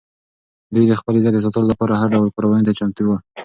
دوی د خپل عزت د ساتلو لپاره هر ډول قربانۍ ته چمتو ول.